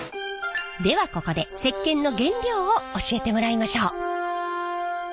ではここで石けんの原料を教えてもらいましょう。